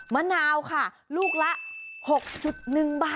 ชั่วตลอดตลาด